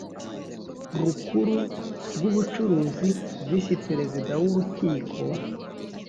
rukuru rw ubucuruzi visi perezida w urukiko